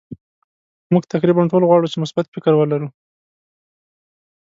مونږ تقریبا ټول غواړو چې مثبت فکر ولرو.